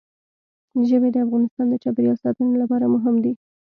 ژبې د افغانستان د چاپیریال ساتنې لپاره مهم دي.